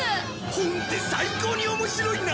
本って最高に面白いな！